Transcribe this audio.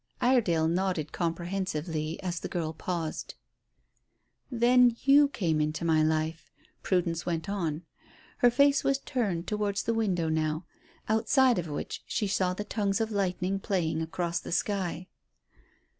Iredale nodded comprehensively as the girl paused. "Then you came into my life," Prudence went on. Her face was turned towards the window now, outside of which she saw the tongues of lightning playing across the sky.